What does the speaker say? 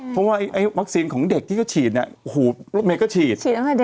ก็ไม่ได้หรอกเพราะวัคซิณของเด็กที่ก็ฉีดอ่ะหูเมกก็ฉีด